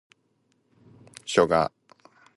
ショウガ